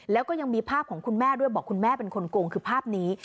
แล้วก็ยังมีภาพของคุณแม่ด้วยบอกคุณแม่เป็นคนโกงคือภาพนี้